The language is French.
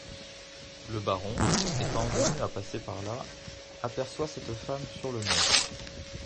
Le baron, étant venu à passer par là, aperçoit cette femme sur le mur.